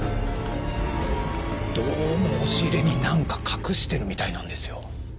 どうも押し入れに何か隠してるみたいなんですよ。